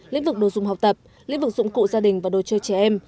lĩnh vực đồ dùng học tập lĩnh vực dụng cụ gia đình và đồ chơi trẻ em